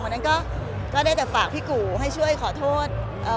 วันนั้นก็ได้แต่ฝากพี่กู่ให้ช่วยขอโทษเอ่อ